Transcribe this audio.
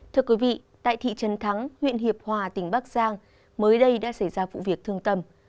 thưa quý vị tại thị trấn thắng huyện hiệp hòa tỉnh bắc giang mới đây đã xảy ra vụ việc thương tâm